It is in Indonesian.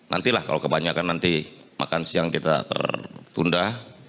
nantilah kalau kebanyakan nanti makan siang kita tertunda